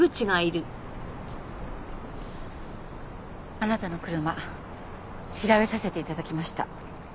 あなたの車調べさせて頂きました。